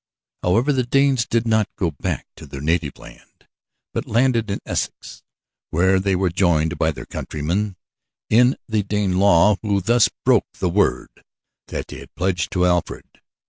However, the Danes did not go back to their native land, but landed in Essex, where they were joined by their countrymen in the Danelaw, who thus broke the word that they had pledged to Alfred.